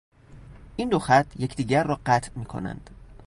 این دو خط یکدیگر را قطع میکنند.